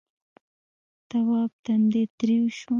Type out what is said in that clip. تواب تندی تريو شو.